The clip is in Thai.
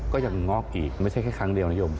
ก็ยังงอกอีกไม่ใช่แค่ครั้งเดียวนะยม